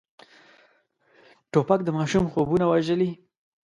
توپک د ماشوم خوبونه وژلي.